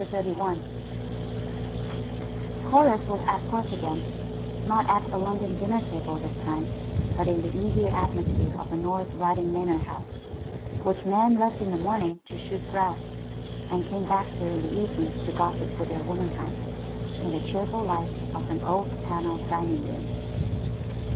CHAPTER XXXI Chorus was at work again; not at a London dinner table this time, but in the easier atmosphere of a North Riding manor house, which men left in the morning to shoot grouse, and came back to in the evening to gossip with their womenkind, in the cheerful light of an oak panelled dining room.